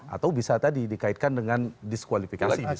atau bisa tadi dikaitkan dengan diskualifikasi